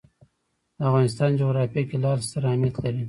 د افغانستان جغرافیه کې لعل ستر اهمیت لري.